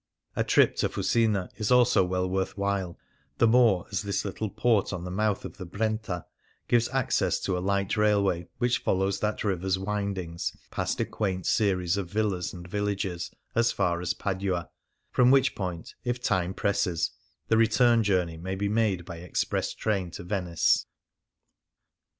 A trip to Fusina is also well worth while, the more as this little port on the mouth of the Brenta gives access to a light railway which follows that river's windings past a quaint series of villas and villages as far as Padua, from which pointy lOI Things Seen in Venice if time presses, the return journey may be made by express train to Venice.